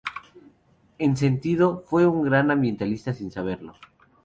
En sentido, fue un gran ambientalista sin saberlo.